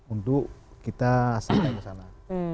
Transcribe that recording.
untuk kita asli sana